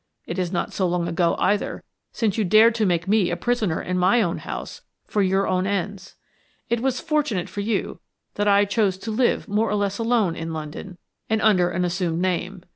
It is not so long ago, either, since you dared to make me a prisoner in my own house for your own ends. It was fortunate for you that I chose to live more or less alone in London and under an assumed name.